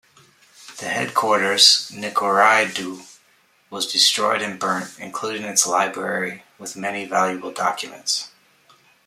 The headquarters, Nikorai-do, was destroyed and burnt, including its library with many valuable documents.